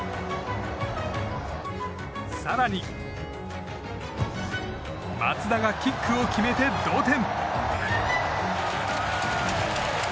更に、松田がキックを決めて同点！